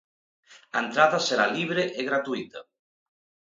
A entrada será libre e gratuíta.